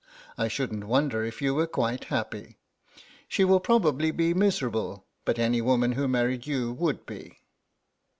I shouldn't wonder if you were quite happy. She will probably be miserable, but any woman who married you would be."